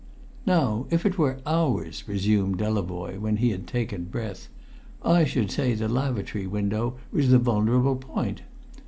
"Now, if it were ours," resumed Delavoye when he had taken breath, "I should say the lavatory window was the vulnerable point.